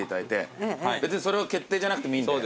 別にそれを決定じゃなくてもいいんで。